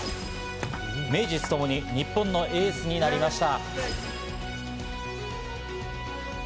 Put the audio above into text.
名実ともに日本のエースになりました。